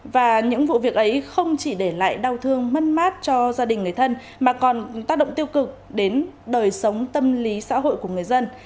và những vụ việc ấy không chỉ để lại đau thương mất mát cho gia đình người thân mà còn tác động tiêu cực đến đời sống tâm lý xã hội của người dân